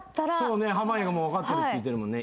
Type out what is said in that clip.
濱家が「もう分かってる」って言ってるもんね。